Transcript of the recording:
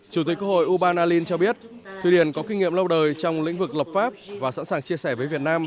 chủ tịch quốc hội uban alin cho biết thụy điển có kinh nghiệm lâu đời trong lĩnh vực lập pháp và sẵn sàng chia sẻ với việt nam